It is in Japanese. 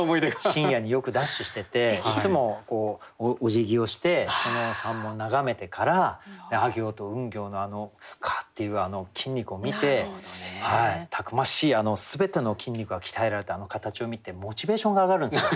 深夜によくダッシュしてていっつもこうおじぎをしてその山門を眺めてから阿形と吽形のあのカッていうあの筋肉を見てたくましいあの全ての筋肉が鍛えられたあの形を見てモチベーションが上がるんですよ。